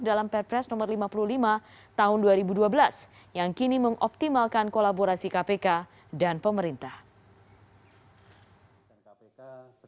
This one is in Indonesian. dalam perusahaan pemerintahan